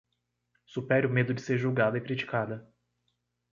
Supere o medo de ser julgada e criticada